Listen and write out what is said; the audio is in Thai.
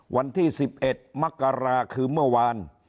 วันที่๑๑มกราคือเมื่อวาน